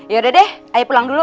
yaudah deh ayo pulang dulu